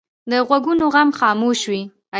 د غوږونو غم خاموش وي